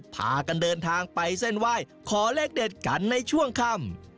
พากันเดินทางไปเส้นไหว้ขอเลขเด็ดกันในช่วงค่ำ